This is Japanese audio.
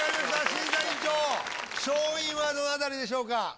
審査委員長勝因はどの辺りでしょうか？